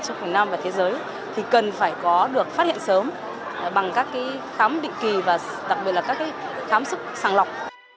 trong việt nam và thế giới thì cần phải có được phát hiện sớm bằng các cái khám định kỳ và đặc biệt là các cái khám sức sàng lọc